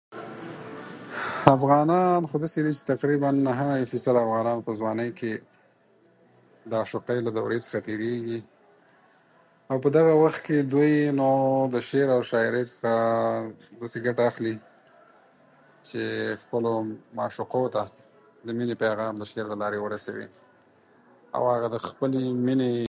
افغانان خو داسي دي چې تقریبا ٩٠ فیصده په ځوانی کې مممم د عاشقی له دورې څخه تیریږي او په دغه وخت کې نو دوی د شعر او شاعری څخه ګټه اخلي چې معشوقو ته د مينې پيغام د شعر له لارې ورسوي مممم او هغه د خپلې مينې